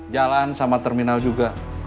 jalan sama terminal juga